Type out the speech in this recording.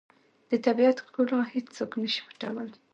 د طبیعت ښکلا هیڅوک نه شي پټولی.